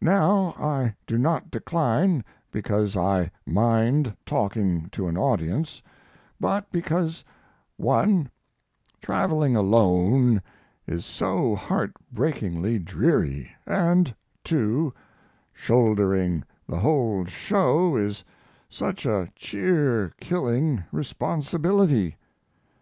Now, I do not decline because I mind talking to an audience, but because (1) traveling alone is so heartbreakingly dreary, and (2) shouldering the whole show is such a cheer killing responsibility.